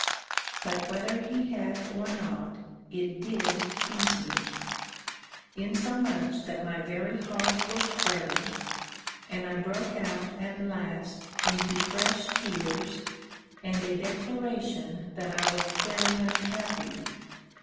But whether he had or not, it did tease me; insomuch that my very heart was fretted, and I broke out, at last, into fresh tears, and a declaration that I was very unhappy.